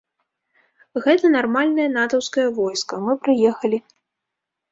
Гэта нармальнае натаўскае войска, мы прыехалі!